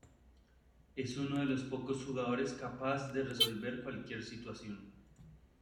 Es uno de los pocos jugadores capaz de resolver cualquier situación.